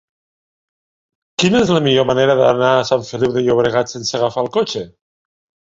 Quina és la millor manera d'anar a Sant Feliu de Llobregat sense agafar el cotxe?